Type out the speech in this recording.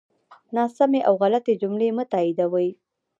ناسمی او غلطی جملی مه تاییدوی